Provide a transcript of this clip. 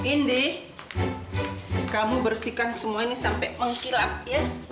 indek kamu bersihkan semua ini sampai mengkilap ya